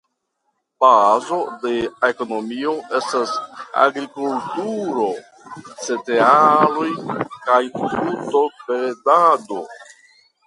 Bazo de ekonomio estas agrikulturo (cerealoj) kaj brutobredado.